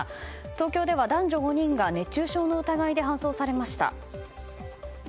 東京では男女５人が熱中症の疑いで搬送されました。